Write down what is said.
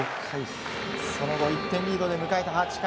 その後、１点リードで迎えた８回。